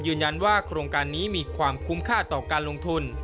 ยืนยันว่าโครงการนี้มีความคุ้มค่าต่อการลงทุน